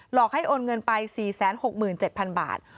อกให้โอนเงินไป๔๖๗๐๐บาท